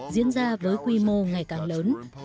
diễn ra với quy mô ngày càng lớn